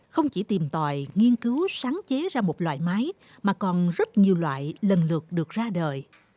không chỉ tìm tòi nghiên cứu sáng chế ra một loại máy mà còn rất nhiều loại lần lượt được ra đời